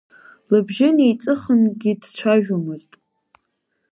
Лыбжьы неиҵыхынгьы дцәажәомызт.